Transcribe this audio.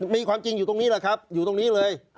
มีความจริงอยู่ตรงนี้แหละครับอยู่ตรงนี้เลย